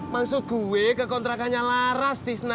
maksud gue kekontrakannya laras disini ya